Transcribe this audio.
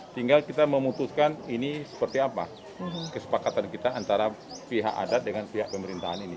tinggal kita memutuskan ini seperti apa kesepakatan kita antara pihak adat dengan pihak pemerintahan ini